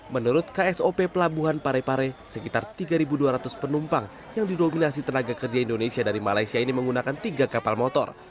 menurut ksop pelabuhan parepare sekitar tiga dua ratus penumpang yang didominasi tenaga kerja indonesia dari malaysia ini menggunakan tiga kapal motor